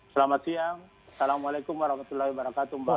selamat siang assalamualaikum wr wb